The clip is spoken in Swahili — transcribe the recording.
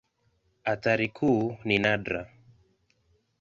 Athari kuu ni nadra.